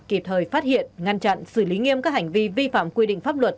kịp thời phát hiện ngăn chặn xử lý nghiêm các hành vi vi phạm quy định pháp luật